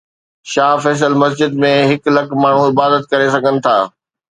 شاهه فيصل مسجد ۾ هڪ لک ماڻهو عبادت ڪري سگهن ٿا